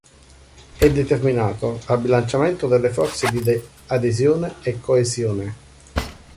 È determinato dal bilanciamento delle forze di adesione e coesione.